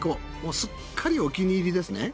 すっかりお気に入りですね。